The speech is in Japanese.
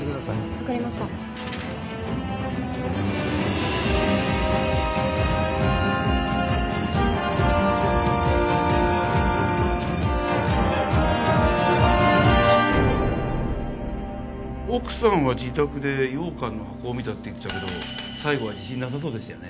分かりました奥さんは自宅で羊羹の箱を見たって言ってたけど最後は自信なさそうでしたよね